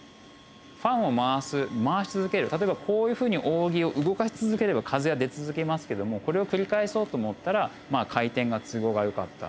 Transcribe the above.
ファンを回す回し続ける例えばこういうふうに扇を動かし続ければ風が出続けますけどもこれを繰り返そうと思ったらまあ回転が都合がよかった。